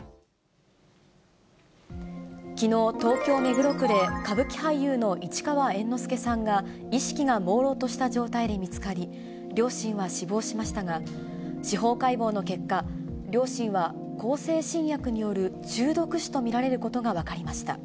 きのう、東京・目黒区で歌舞伎俳優の市川猿之助さんが、意識がもうろうとした状態で見つかり、両親は死亡しましたが、司法解剖の結果、両親は向精神薬による中毒死と見られることが分かりました。